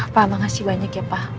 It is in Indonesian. pak makasih banyak ya pak